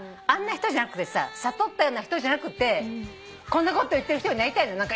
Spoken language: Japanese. あんな人じゃなくてさ悟ったような人じゃなくてこんなこと言ってる人になりたいの。